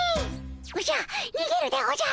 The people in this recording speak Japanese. おじゃにげるでおじゃる。